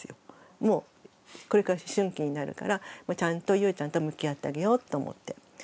もうこれから思春期になるからもうちゃんとゆうちゃんと向き合ってあげようと思って。